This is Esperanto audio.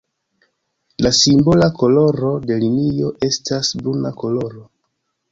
La simbola koloro de linio estas bruna koloro.